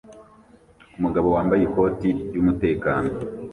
Umugabo wambaye ikoti ryumutekano